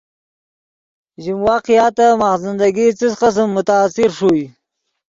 ژیم واقعاتف ماخ زندگی څس قسم متاثر ݰوئے